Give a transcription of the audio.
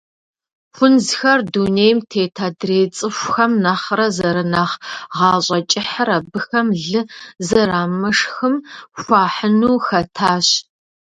Хунзхэр дунейм тет адрей цӏыхухэм нэхърэ зэрынэхъ гъащӏэкӏыхьыр абыхэм лы зэрамышхым хуахьыну хэтащ.